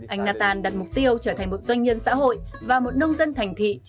anh nathan đặt mục tiêu trở thành một doanh nhân xã hội và một nông dân thành thị